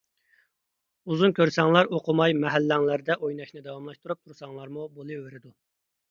ئۇزۇن كۆرسەڭلار ئوقۇماي مەھەللەڭلەردە ئويناشنى داۋاملاشتۇرۇپ تۇرساڭلارمۇ بولۇۋېرىدۇ.